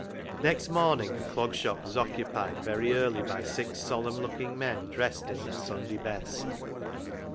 Next morning the Clog Shop was occupied very early by six solemn looking men dressed in their Sunday best.